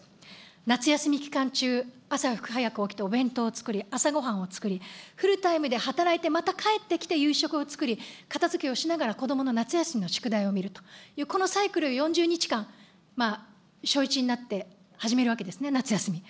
夏休み期間中、朝早く起きてお弁当作り、朝ごはんを作り、フルタイムで働いてまた帰ってきて夕食をつくり、片づけをしながら、こどもの夏休みの宿題を見ると、このサイクルを４０日間、小１になって始めるわけですね、夏休み。